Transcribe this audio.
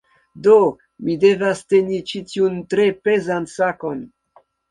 Do, mi devas teni ĉi tiun, tre pezan sakon